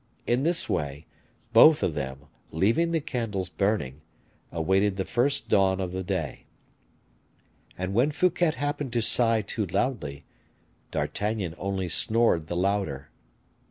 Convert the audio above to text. In this way, both of them, leaving the candles burning, awaited the first dawn of the day; and when Fouquet happened to sigh too loudly, D'Artagnan only snored the louder.